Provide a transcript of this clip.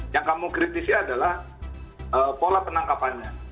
yang kamu kritisi adalah pola penangkapannya